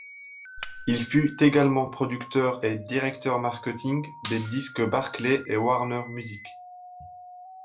Il fut également producteur et directeur marketing des Disques Barclay et de Warner Music.